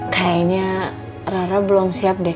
kayaknya rara belum siap deh